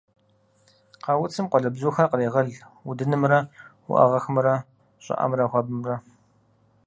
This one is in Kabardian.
Къэуцым къуалэбзухэр кърегъэл удынымрэ уӏэгъэхэмрэ, щӏыӏэмрэ хуабэмрэ.